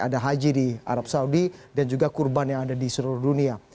ada haji di arab saudi dan juga kurban yang ada di seluruh dunia